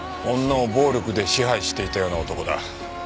女を暴力で支配していたような男だ。